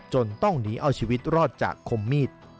ต้องหนีเอาชีวิตรอดจากคมมีด